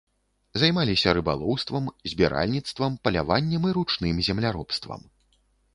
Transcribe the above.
Займаліся рыбалоўствам, збіральніцтвам, паляваннем і ручным земляробствам.